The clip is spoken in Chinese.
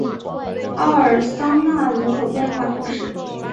奥尔桑讷人口变化图示